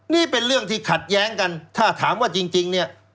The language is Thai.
นี่เป็นเรื่องที่ขัดแย้งกันถ้าถามว่าจริงเนี่ย